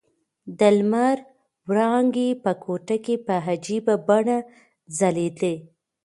د لمر وړانګې په کوټه کې په عجیبه بڼه ځلېدې.